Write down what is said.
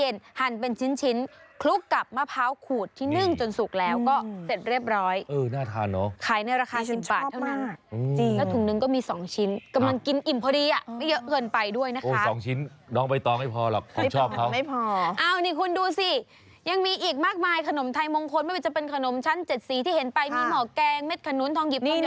เออหน้าทานหรอชั้นชอบมากจริงขายในราคา๑๐บาทเท่านั้นและถุงนึงก็มี๒ชิ้นกำลังกินอิ่มพอดีอ่ะไม่เยอะเกินไปด้วยนะคะโอ้๒ชิ้นน้องไปต้องไม่พอหรอกผมชอบเขาไม่พอเอานี่คุณดูสิยังมีอีกมากมายขนมไทยมงคลไม่ว่าจะเป็นขนมชั้น๗สีที่เห็นไปมีเหมาะแกงเม็ดขนุนทองห